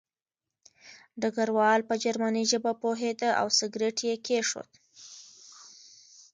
ډګروال په جرمني ژبه پوهېده او سګرټ یې کېښود